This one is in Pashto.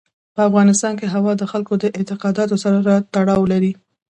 په افغانستان کې هوا د خلکو د اعتقاداتو سره تړاو لري.